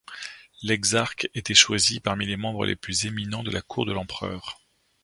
L’exarque était choisi parmi les membres les plus éminents de la Cour de l’empereur.